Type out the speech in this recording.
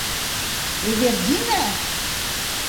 — Эвердина!